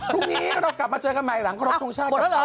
พรุ่งนี้ก็ต้องกลับมาเจอกันใหม่หลังคนรักทุกช่างกับพระบาท